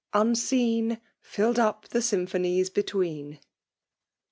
^'^umetn. Fill'd up the symphonies between.